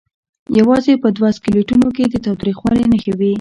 یوازې په دوو سکلیټونو کې د تاوتریخوالي نښې وې.